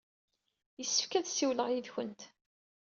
Yessefk ad ssiwleɣ yid-went.